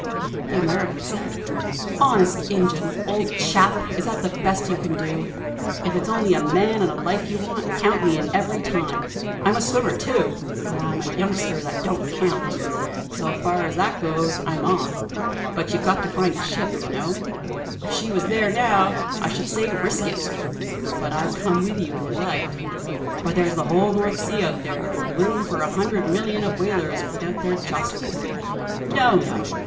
The American said: "Honest injun! old chap, is that the best you can do? If it's only a man and a life you want, count me in every time. I'm a swimmer, too; and I'm a youngster that don't count. So far as that goes, I'm on. But you've got to find the ship, you know! If she was there now, I should say 'risk it'; and I'd come with you if you liked. But there's the whole North Sea out there, with room for a hundred million of whalers without their jostling. No, no!